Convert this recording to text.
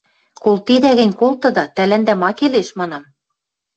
– Колтеда гӹнь колтыда, тӓлӓндӓ ма келеш?! – манам.